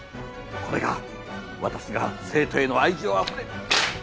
これが私が生徒への愛情あふれる。